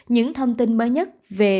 những thông tin mới nhất về